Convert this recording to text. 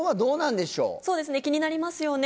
そうですね気になりますよね